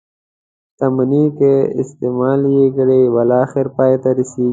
شتمني که استعمال یې کړئ بالاخره پای ته رسيږي.